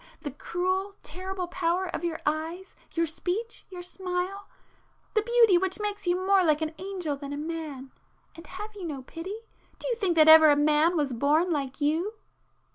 —the cruel, terrible power of your eyes, your speech, your smile,—the beauty which makes you more like an angel than a man,—and have you no pity? Do you think that ever a man was born like you?"